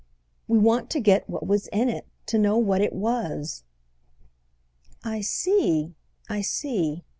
"We want to get what was in it—to know what it was." "I see—I see."